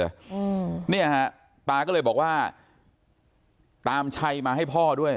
อืมเนี่ยฮะตาก็เลยบอกว่าตามชัยมาให้พ่อด้วย